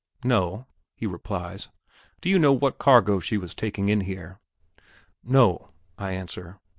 "No," he replies. "Do you know what cargo she was taking in here?" "No," I answer.